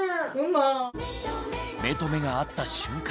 目と目があった瞬間